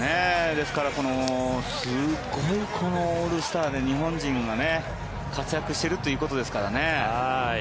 すごいこのオールスターで日本人が活躍しているということですからね。